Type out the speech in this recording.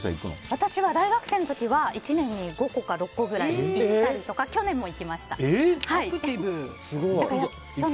大学生の時は１年に５個か６個ぐらい行ったりとか去年も行きました。